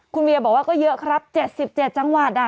คุณเวียบอกว่าก็เยอะครับ๗๗จังหวัด